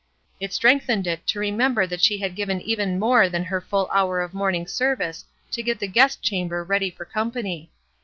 It strengthened it to remember that she had given even more than her full hour of morning service to get the guest chamber ready for company.